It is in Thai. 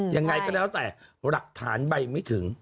ยังไงก็แล้วแต่หลักฐานใบไม่ถึง